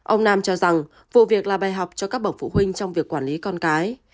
ông nam cho rằng vụ việc là bài học cho các bậc phụ huynh trong việc quản lý con cái